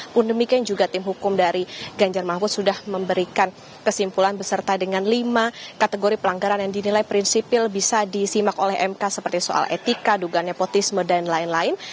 pun demikian juga tim hukum dari ganjar mahfud sudah memberikan kesimpulan beserta dengan lima kategori pelanggaran yang dinilai prinsipil bisa disimak oleh mk seperti soal etika dugaan nepotisme dan lain lain